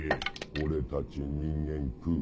俺たち人間食う。